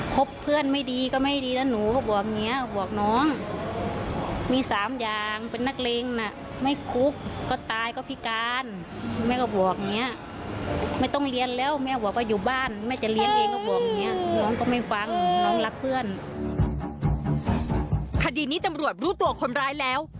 คดีนี้ตำรวจรู้ตัวคนร้ายแล้ว